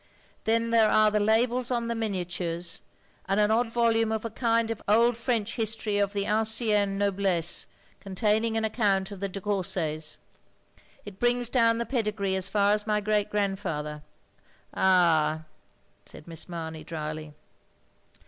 Then there are the labels on the miniatures, and an odd volume of a kind of old French history of the ancienne noblesse, containing an account of the de Coursets. It brings down the pedigree as far as my great grandfather." "Ah," said Miss Mamey, dryly.